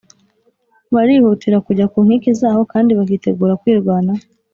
barihutira kujya ku nkike zaho kandi bakitegura kwirwanaho.